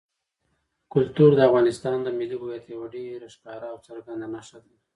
کلتور د افغانستان د ملي هویت یوه ډېره ښکاره او څرګنده نښه ده.